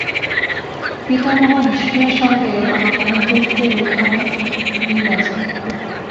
পিতামহ ভীষ্মের সঙ্গে আমার মহৎ চরিত্রের এইখানে মিল আছে।